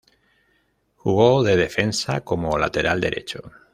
Jugó de defensa como lateral derecho.